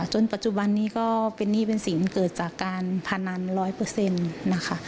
จนปัจจุบันนี้ก็เป็นหนี้เป็นสินเกิดจากการพนัน๑๐๐นะคะ